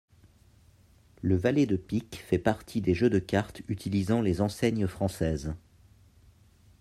Le valet de pique fait partie des jeux de cartes utilisant les enseignes françaises.